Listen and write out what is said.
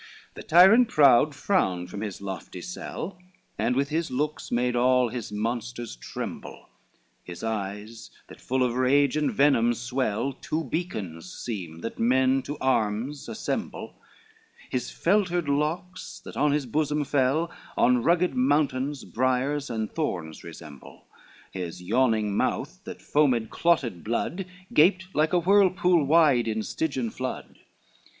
VII The tyrant proud frowned from his lofty cell, And with his looks made all his monsters tremble, His eyes, that full of rage and venom swell, Two beacons seem, that men to arms assemble, His feltered locks, that on his bosom fell, On rugged mountains briars and thorns resemble, His yawning mouth, that foamed clotted blood, Gaped like a whirlpool wide in Stygian flood.